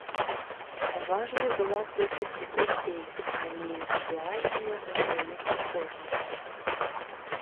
Важнай была колькасць дзяцей, а не індывідуальныя здольнасці кожнага.